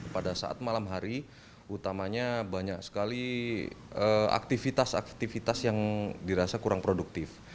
pada saat malam hari utamanya banyak sekali aktivitas aktivitas yang dirasa kurang produktif